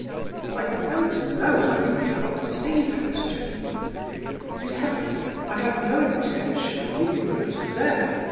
I don't know how you cannot see that, gentlemen! Besides, I had no intention of leaving the matter there.